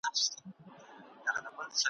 مُلا پاچا وي چړي وزیر وي ,